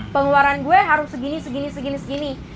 pengeluaran gue harus segini segini segini segini